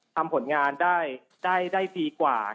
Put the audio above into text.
ทำผลงานได้ดีกว่า